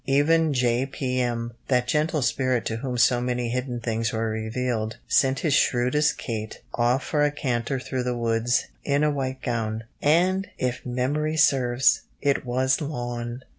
Even "J. P. M.," that gentle spirit to whom so many hidden things were revealed, sent his shrewish "Kate" off for a canter through the woods in a white gown, and, if memory serves, it was lawn!